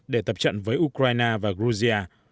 để tập trận với ukraine và georgia